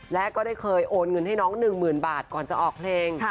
และก็ได้เคยโอนเงินให้น้อง๑๐๐๐บาทก่อนจะออกเพลง